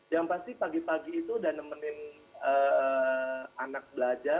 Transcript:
yang pasti pagi pagi itu udah nemenin anak belajar